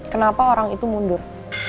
kenapa orang itu mundur